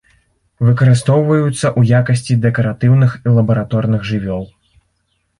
Выкарыстоўваюцца ў якасці дэкаратыўных і лабараторных жывёл.